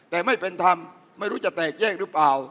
แต่ไม่เป็นธรรมไม่รู้จะแตกแยกหรือเปล่า